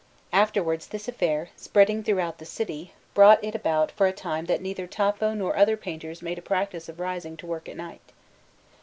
Afterwards this affair, spreading throughout the city, brought it about that for a time neither Tafo nor other painters made a practice of rising to work at night.